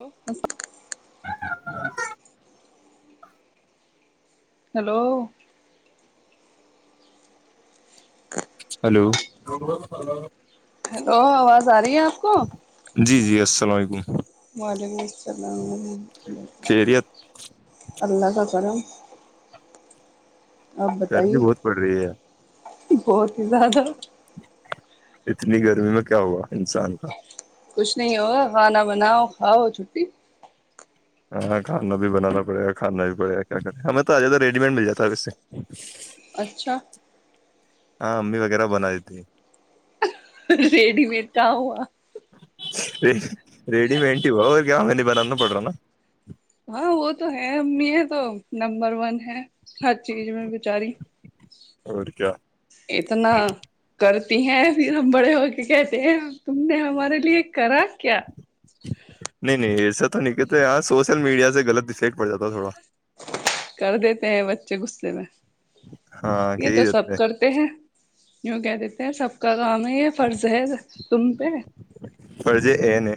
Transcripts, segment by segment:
ہو [unintelligible] [inaudible] hello hello hello آواز آ رہی ہے آپ کو سلیکم [inaudible] وعلیکم السلام ورحمۃ ال خیریت اللہ کا کرم آپ گرمی بتائیے بہت پڑ رہی ہے بہت ہی زیادہ اتنی گرمی میں کیا ہوا انسان کا کچھ نہیں ہوگا کھانا بناؤ کھاؤ چھٹی ہاں کھانا بھی بنانا پڑے گا کھانا بھی پڑے گا کیا کرے ہمیں تو آ جاتدا ریڈی میڈ مل جاتا ہے و سے اچھا ہاں امی وغیرہ بنا دی ت ریڈی مڈ کہ ہوا ج [inaudible] ریڈی مینٹ ہوا جاں وی بل نہیں پٹ رہا نا ہاں وہ تو ہے امی یہ تو نمبر ون ہے ہر چیز میں بیچاری اور کیا اتنا کر ہیں پھر ہم بڑے ہو کے کہتے ہیں تم نے ہمارے لیے کراس کیا نہیں نہیں ایسا تو نہیں کہ ہاں سوشل میڈیا سے غط افیکٹ پڑ جات تھا تھوڑا کر دیتے ہیں بچے غصے میں ہاں یہ یہی تو دیتے سب کرتے ہیں یوں کہتے تھ سب کا تو ہمیں یہ فرض ہے تم پہ ہوں فرضے ا نے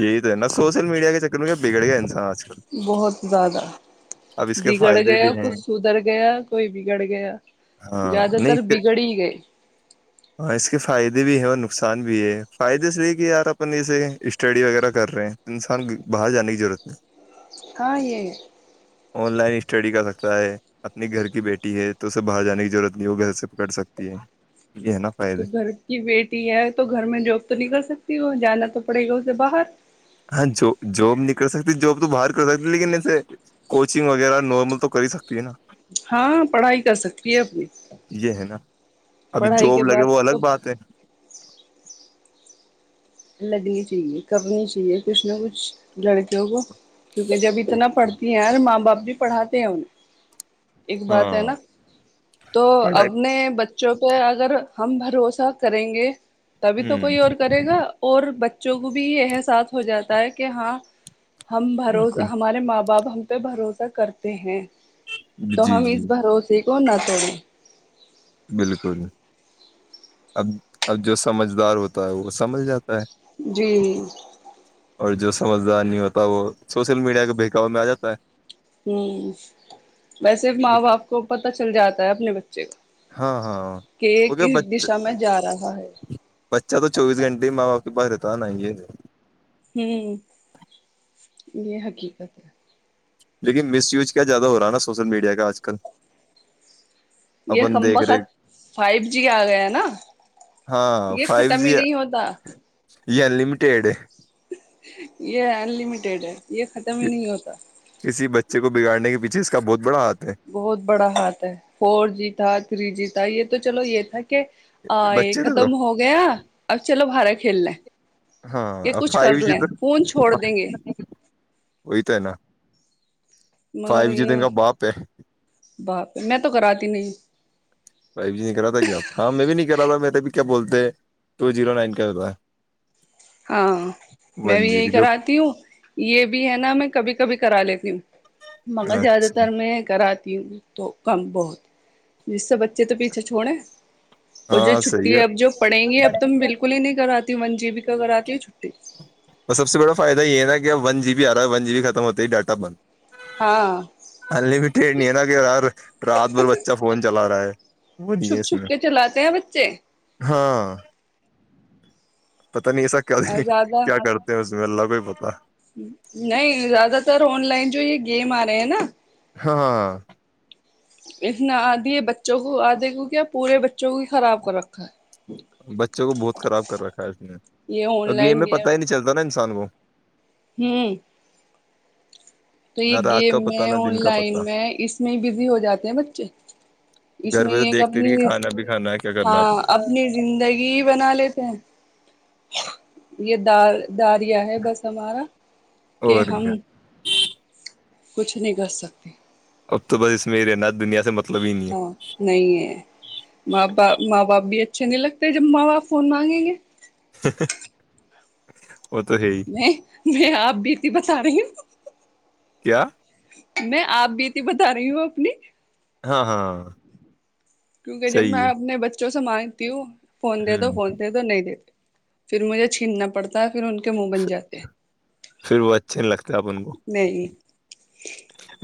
یہی تو ہے نا سوشل میڈیا کے چکر میں کیا بگڑ گیا انسان کل بہت زیادہ اب اس کے بگڑ فائدے بھی گیا ہیں کچھ سدھر گیا کوئی بگڑ گیا ہاں زیادہ نہیں تر اس کے بگڑ ہی گئے ہاں اس کے فائدے بھی ہیں اور نقصان بھی ہے فائدے سے لیے کہ یار اپن جسے اسٹڈی وغیرہ کر رہے ہیں تو انسان باہر جانے کی ضرورت نہیں ہاں یہ ہے ‌‍‌ ان لائن اسٹڈی کر سکتا ہے اپنی گھر کی بیٹی ہے تو اسے باہر جانے کی ضرورت نہیں ہوگی سب کر سکتی ہے یہ ہے نا تو فائدے گھر کی بیٹی ہے تو گھر میں جاب تو نہیںکل سکتی وہ جانا تو پڑے گاؤ سے باہر ہاں جاب نہیں کر سکتی جاب تو باہر کر سکتی لیکن ایسے کوچنگ وغیرہ نارمل تو کر ہی سکتی ہے نا ہاں پڑھائی کر سکتی ہے اپنی یہ ہے نا اب پڑھائی جاب کے بعد لگے وہ تو الگ بات ہے لگنی چاہیے کرنی چاہیے کچھ نہ کچھ لڑکیوں کو کیونکہ جب اتنا پڑھتی ہیں ماں باپ ب بھی پڑھاتے ہیں انہیں ایک بات ہے ہاں نا تو پڑھائی اپنے بچ جو کہہ اگر ہم بھروسہ کریں گے تبھی تو کوئی اور ہ کرے گا بچوں کو بھی احساس ہو جاتا ہے کہ ہاں ہم بھروز بالکل ہمارے ماں باپ باپ ہم پہ بھروسہ کرتے ہیں تو جی ہم جی اس بھروسے کونا تھوڑی بالکل اب اب جو سمجھدار ہوتا ہے وہ سمجھ جاتا ہے جی اور جو سمجھدار نہیں ہوتا وہ سوشل میڈیا کے بکاو میں آ جاتا ہے ہ ویسے ہے ماں باپ کو پتا چل جاتا ہے اپنے بچے کا ہاں ہاں کہ کیونکہ کس بچہ دشا میں جا رہا ہ بچہ تو چوبیس گھنٹے ہی ماں باپ کے پاس رہتا ت نہیں ہوں یہ حقیقت ہے لیکن مس یوج کیا زیادہ ہو رہا نا سوشل میڈیا کا آج کل یہ اپن کم دیکھ رہے بخت فائیو جی آ گیا نا ہاں یہ ختم ہی نہیں ہوتا لمیٹیڈ یہ انلمیٹیڈ ہے یہ ختم ہی نہیں ہوتا کسی بچے کو بگاڑنے کے پیچھے ج اس کا بہت بڑا آ بہت بڑا ہاتھ ہے فور جی تھا تھری جی تھا یہ تو چلو یہ تھا کہ کہ آ یہ بچے تھے تو ختم ہو گیا اب چلو بارا کھیل لیں ہاں کچھ کر فائیو جی لیں تو فون چھوڑ دیں گے وہی تو ہے نا فائیو جی دن کا باپ ہے با پ میں تو کراتی نہیں فائیو جی نہیں کرا تھا کیاپ ہاں میں بھی نہیں کرا تھا میںیرےبھی کیا بولتے ٹو زیرو نائن کا ہوتا ہے ہاں میں ون بھی جی یہی بی جو کراتی ہوں یہ بھی ہے نا میں کبھی کبھی کرا لیتی ہوں مگر زیادہ اچھا تر میں کراتی ہوں تو کم بہت جس سے بچے تو پیچھے چھوڑے اور جو ہاں صحیح چھٹی ہے اب جو پڑیں گی اب تو بالکل ہی نہیں کراتی ون جی بیی اور سب سے بڑا فائدہ یہ نا کہ ون جی بی آ رہا ہے ون جی بیی ختم ہوتے ہی ڈاٹا بند ہاں انلمیٹیڈ نہیں ہے نا کہ ار رات بھر بچہ فون چلا رہا ہے وہ نہیں ہے چھپ اس چھپ میں کے چلاتے ہیں بچے ہاں پتہ نہیں ایسا کیا زیادہ کیا کرتے ہیں اس میں اللہ کو ہی پتا نہیں زیادہ تر آن لائن جو یہ گیم آ رہے ہیں نا ہاں اتنا آدھی بچوں کو آدے کی کیا پورے بچوں کو ہی خراب کر رکھا ہے بچوں کو بہت خراب کر رکھا ہے اس نے یہ آن اور گیم لائن میں پتا ہی نہیں چلتا نا انسان کو ہوں تو نہ یہ رات کا گیم پتا میں نہ آن دن کا پتا لائن میں اس میں ہی بزی ہو جاتے ہیں بچے اس گھر میں ہی پہ تو ایک دیکھتے رہیے اپنی کھانا بھی کھانا ہے کیا کرنا آپ ہاں نے اپنی زندگی بنا لیتے ہیں یہ در داریا ہے بس ہمارا کہ اور ہم کیا کچھ نہیں کر سکتی اب تو بس اس میں نت دنیا سے مطلب ہی نہیں ہے ہاں نہیں ہےاں با ماں باپ بھی اچھا اچھے نہیں لگتے جب ماں باپ فون مانگیں گے ہہ ہہ میں ب ا بھی اتنی پچا رہی ہ کیا میں آپ بھیتی بتا رہی ہوں اپنی ہاں ہاں ہاں کیونکہ جب میں اپنے بچے جو سمانتی ہو فون دے ہے ہ دو فون دے دو نہیں دے دو پھر مجھے چھیننا پڑتا پھر ان کے منہ بن جاتے ہیں پھر وہ اچھے نہیں لگتا اب ان کو نہیں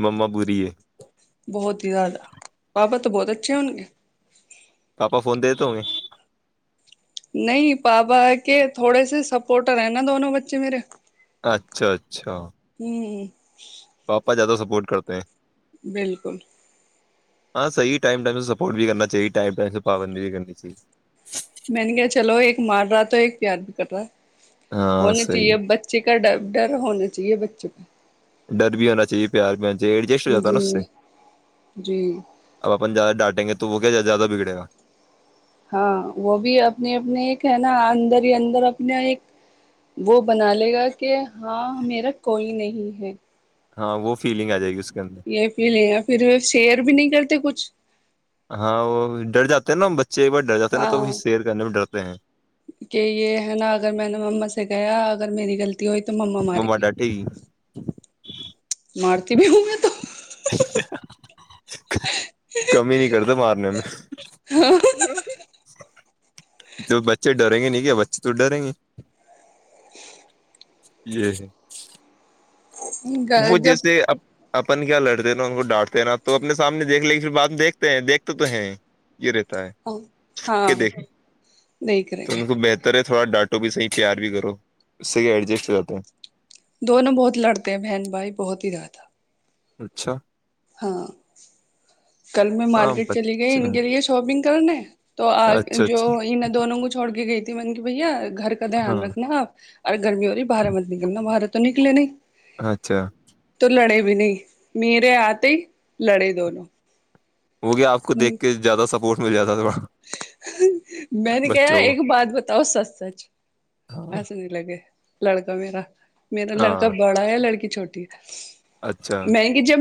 ما ب بھی ہے بہت ہی زیادہ پپا تو بہت اچھے ہون گے پاپا فون دے تو ہو گے نہیں پاپا کے تھوڑے سے سپورٹر ہیں نا دونوں بچے میرے اچھا اچھا ہوں پاپا جدہ سپورٹ کرتے ہیں بالکل ہاں صحیح ٹائم ٹائم سے سپورٹ بھی کرنا چاہیے ٹم ٹم سے پابندی بھی کرنی چاہیے میں نے کہ چلو ایک مار رہا تو ایک پیار بھی کرٹ رہا ہاں ہونا صحیح چاہیے بچے کا ڈ ڈر ہونا چاہیے بچے کو ہ [inaudible] ڈر بھی ہونا چاہیے پیار بھی ہونا چاہیے ایڈجسٹ ہو جاتا نا جی اس سے جی اب اپن زیادہ ڈانٹیں گے تو وہ کیا زیادہ [unintelligible] ہاں وہ بھی اپنے اپنے ایک ہے نا اندر ہی اندر اپنا ایک وہ بنا لے گا کہ ہاں میرا کوئی نہیں ہے ہاں وہ فیلنگ آ جائے گی اس کے اندر یہ فیل پھر شیئر بھی نہیں کرتے کچھ [unintelligible] ہاں وہ ڈر جاتے ہیں نا ہم بچ چ ایک بار ڈرات ہے ن ہاں توھر سیر کرنے میں بھی ڈرتا ہیں [unintelligible] کہ یہ ہے نا اگر میں نے مما سے گیا اگر میری غلطی تی ہوئی تو مما مار گی [unintelligible] مارتی بھی ہوں میں تو ا [inaudible] [inaudible] کمی ہی نہیں کرتے مارنے میں تو بچے ڈریں گے نہیں کیا بچے تو ڈریں گے جی [unintelligible] وہ تو جب جیسے اب [unintelligible] اپن کیا لڑتے نا ان کو ڈانٹتے نا تو اپنے سامنے دیکھ ل پھر بعد دیکھتے ہیں دیکھتے تو ہیں یہ رہتا ہے چپ کے ہاں دیکھیں دیکھ رہے تو ان ہیں کو بہتر ہے تھوڑا ڈانٹو بھی صحیح تیار بھی کرو اس سے کہ ایڈجسٹ ہو جاتا ہے دونوں بہت لڑتے ہیں بہن بھائی بہت ہی رہات تھا اچھا ہاں کل میں ہاں مارکیٹ چلی گئی بچے ان کے لیے شاپنگ کرنے تو آ اچھا جو اچھا ان دونوں کو چھوڑ کے گئی تھی من کی بھیا گھر کا دھیان ہاں رکھنا آپ اورر گرمی ہوی باہر مت نلنا باہت تو نکلے نہیں اچھا تو لڑے بھی نہیں میرے ہاتھ ت لڑے دونوں ہو گیا آپ کو دیکھ کے زیادہ سپورٹ مل جات تھا تھوڑا میں نے کہ بچوں کو ایک بات بتاؤ سچ سچ ہاں ایس لگے لڑکا میرا میرا لڑکا ہاں بڑا ہے لڑکی چھوٹیے اچھا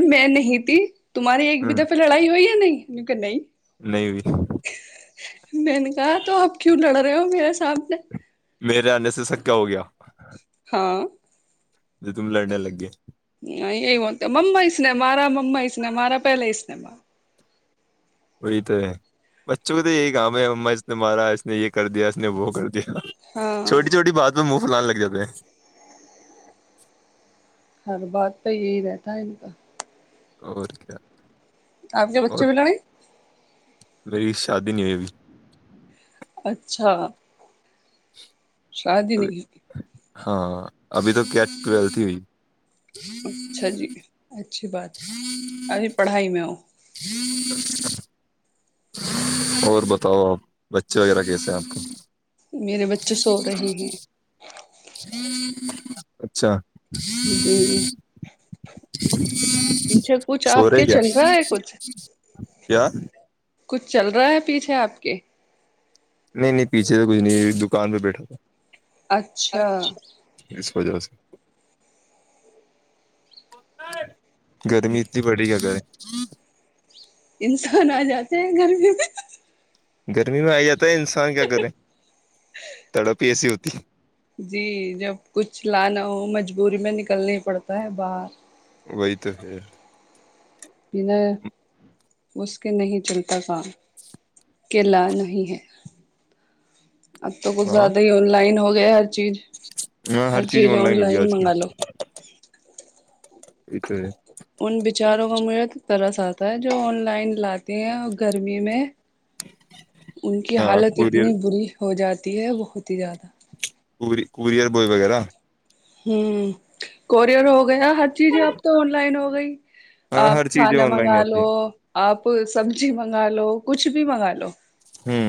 میں نہیں تھی تمہاری ایک ب دفہ لڑائی ہو نہیں کہنا ہی لے ہو میں نے کہا تو آپ کیوں لڑ رہے ہو میرے سامنے میرے آنے سے سکا ہو گیا ہاں ج تم لڑنے لگ گے یہی ہوتا مما اس نے مارا مما اس نے مارا پہلے اس اس نے ب وہی تو ہے بچوں کو تو یہی کام ہے ما اس نے مارا اس نے یہ کر دیا اس نے وہ کر دیا ہاں چھوٹی چھوٹی بات پ مک فلال لگ جاتا ہیں ہر بات تو یہی رہتا ہے ان کا اور کیا آپ کے اور بچے بھی لڑے میری شادی نہیں ہوئی بھی اچھا شاد ابھی- نہیں ہاں ابھی تو کیا ٹویلت ہی ہوئی اچھا جی اچھی بات ہے ابھی پڑھائی میں ا اور بتاؤ آپ بچے وغیرہ کیسے ہیں آپ کو میرے بچے سو ج رہے ہیں ج [inaudible] اچھا [inaudible] جی جی پیچھے کچھ سو آپ رہے کے کیا چل رہا ہے کچھ کیا [inaudible] کچھ چل رہا ہے پیچھے آپ کے نہیں نہیں پیچھے تو کچھ نہیں دکان پہ بیٹھا تھا اچھا سجا سے [inaudible] گرمی اتنی بڑی گ گھر جی [inaudible] انسان آ جاتے ہیں گرمی میں گرمی میں آئی ج انسان کیا کرے تڑاپی ایسی ہوتی [inaudible] جی جب کچھ لانا ہو مجبوری میں نکلنا پڑتا ہے باہر وہی تو ہے بنا اس کے نہیں چلتا کام کے لا نہیں ہے اب تو کچھ ہاں زیاد ہی آن لائن ہو گئے [inaudible] چیز ہر چیز آن لائن منگا لو ا تو [inaudible] ان بچاروں کا مجرت تیرا ساتھ ہوتا ہے جو آن لائن لاتے ہیں گرمی میں ان کی ہاں حالت کوریئر اتنی بری ہو جاتی تی ہے بہت ہی زیادہ کوریئر بوائے وغیرہ [unintelligible] ہوں کورئر ہو گیا ہر چیز اب تو آن لائن ہو گئی ہاں آپ ہر چیزیں کھانا آن لائن منگا آتی ہے لو آپ سبزی منگا لو کچھ بھی منگا لو ہوں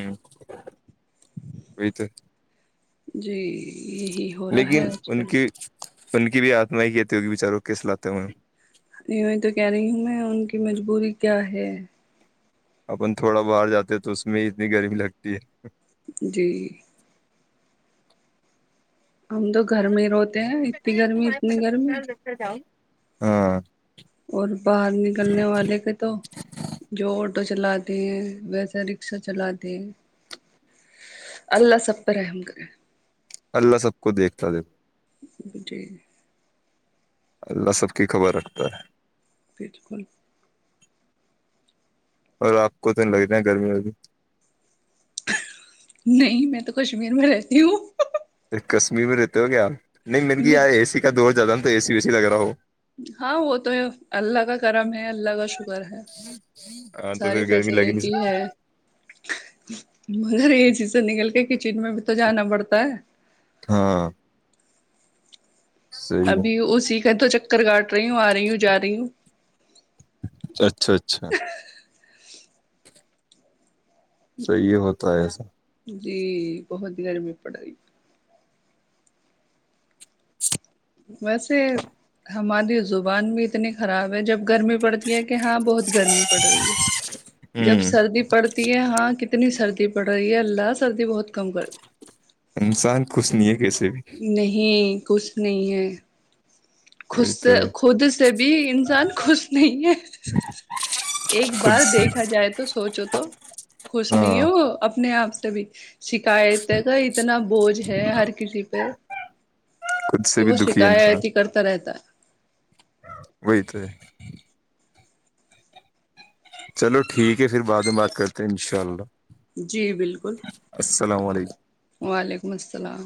یہی تو [unintelligible] جی یہی ہو رہا لیکن ہے آج ان کل کے ان کی بھی آتم کیتی ہوگی بیچاروں کیس لاتے ہوئے ہیں بی کیا ہے اپن تھوڑا باہر جاتے تو اس میں اتنی گرمی لگتی ہے جی ہم تو گھر میں ہی روتے ہیں اتنی گرمی اتنی گرمی ہاں اور باہر نکلنے والے کے تو جو آٹو چلا دیں ویسا رکشا چلا دیں اللہ سب پرہ رحم کرے اللہ سب کو دیکھتا تھا جٹی اللہ سب کی خبر رکھتا ہے [unintelligible] [unintelligible] اور آپ کو تو لگ رہ گرمی میں بھی نہیں میں تو کشمیر میں رہتی ہوں کشمیر میں رہتے ہو گ آپ نہیں مل گی ار اے سی کا دور جیادا اےی وے س لگ رہا ہو ہاں وہ تو ہے اللہ کا کرم ہے اللہ کا ش ہاں تو پھر گرمی لگی نہیں س فیسلٹی ہے مگر یہ چی سے نکل کے کچن میں بھی تو جانا پڑتا ہے ہاں صحیح ابھی اسی فر تو چکر کااٹ رہی ہوں آ رہی ہوں جا رہی ہوں اچھا اچھا صحیح ہوتا ہے ایسا جی بہت گرمی پڑائی [inaudible] ویسے ہماری زبان بھی اتنی خراب ہے جب گرمی پڑتی یہ کہ ہاں بہت گرمی پڑ رہی ہے جب سردی پڑتی ہے ہاں کتنی اتنی سردی پڑ رہی ہے اللہ سردی بہت کم کر د انسان کس نیک نہیں کچھ نہیں ہے خود وہی تو سے ہے خود سے بھی انسان خوش نہیں ہے ایک بار خود دیکھا جائے تو سوچو تو خوش نہیں ہے ہاں وہ اپنے آپ سے تب شکایت ہے کا اتنا بوجھ ہے ہر کسی پہ خود سے کہ بھی وہ دکھی ہے انسان شکایت ہی کر [unintelligible] چلو ٹھیک ہے پھر بعد میں بات کرتے ہیں انشاء اللہ جی بالکل السلام علیکم وعلیکم السلام